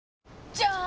じゃーん！